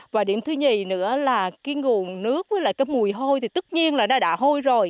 và điểm thứ nhì nữa là cái nguồn nước với lại cái mùi hôi thì tất nhiên là nó đã hôi rồi